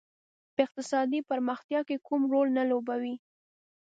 په اقتصادي پرمختیا کې کوم رول نه لوبوي.